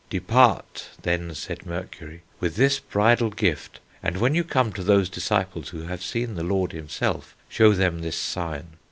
'Depart,' then said Mercury, 'with this bridal gift, and when you come to those disciples who have seen the Lord himself, show them this sign.'